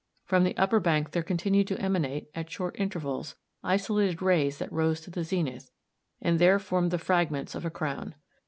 From the upper bank there continued to emanate, at short intervals, isolated rays that rose to the zenith, and there formed the fragments of a crown.